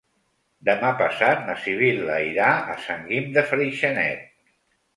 Demà passat na Sibil·la irà a Sant Guim de Freixenet.